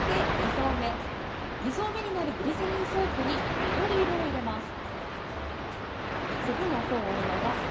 ２層目になるグリセリンソープに緑色を入れます。